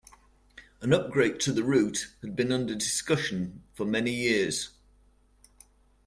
An upgrade to the route had been under discussion for many years.